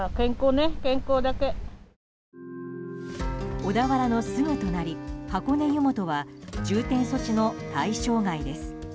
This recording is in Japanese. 小田原のすぐ隣、箱根湯本は重点措置の対象外です。